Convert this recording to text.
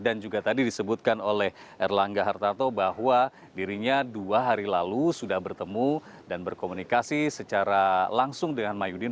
dan juga tadi disebutkan oleh erlangga hartarto bahwa dirinya dua hari lalu sudah bertemu dan berkomunikasi secara langsung dengan mah yudin